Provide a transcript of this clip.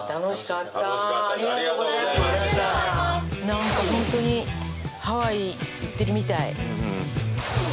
何かホントにハワイ行ってるみたい。